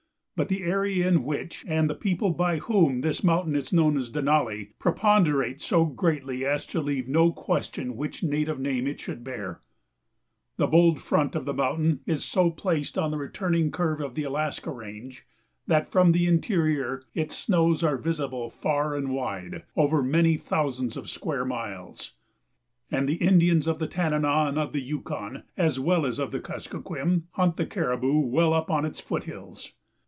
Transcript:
But the area in which, and the people by whom, this mountain is known as Denali, preponderate so greatly as to leave no question which native name it should bear. The bold front of the mountain is so placed on the returning curve of the Alaskan range that from the interior its snows are visible far and wide, over many thousands of square miles; and the Indians of the Tanana and of the Yukon, as well as of the Kuskokwim, hunt the caribou well up on its foot hills.